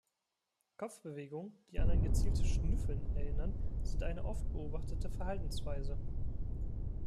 Kopfbewegungen, die an ein gezieltes „Schnüffeln“ erinnern, sind eine oft beobachtete Verhaltensweise.